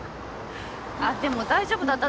あっでも大丈夫だった？